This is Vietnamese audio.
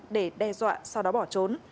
để đe dọa sau đó bỏ trốn